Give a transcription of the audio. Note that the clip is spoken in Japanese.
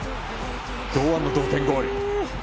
堂安の同点ゴール。